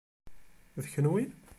D kunwi?